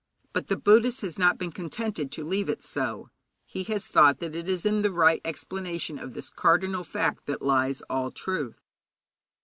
But the Buddhist has not been contented to leave it so. He has thought that it is in the right explanation of this cardinal fact that lies all truth.